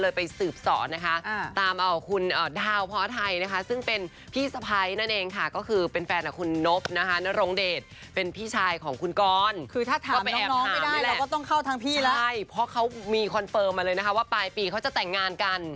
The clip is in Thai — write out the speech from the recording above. เพราะเขามีคอนเฟิร์มมาเลยนะคะว่าปลายปีเขาจะแต่งงานกัน